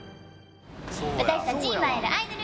私たち今会えるアイドル。